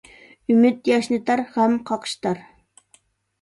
ئۈمۈد ياشنىتار، غەم قاقشىتار.